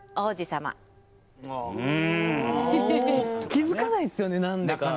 気付かないんですよね、なんでか。